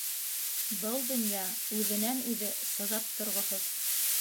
Был донъя үҙенән үҙе сыҙап торғоһоҙ.